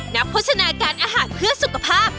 นักโฝชนาการอาหารเพื่อสุขภาพ